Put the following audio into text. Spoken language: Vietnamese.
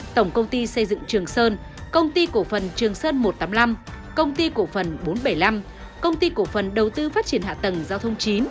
tổng công ty xây dựng trường sơn công ty cổ phần trường sơn một trăm tám mươi năm công ty cổ phần bốn trăm bảy mươi năm công ty cổ phần đầu tư phát triển hạ tầng giao thông chín